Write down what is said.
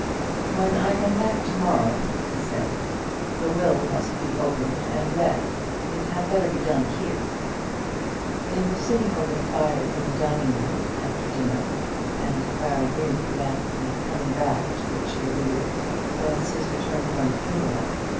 "When I come back to morrow," he said, "the will must be opened and read. It had better be done here." They were sitting over the fire in the dining room, after dinner, and Clara knew that the coming back to which he alluded was his return from the funeral.